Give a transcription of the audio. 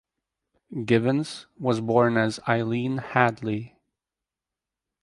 Givens was born as Eileen Hadley.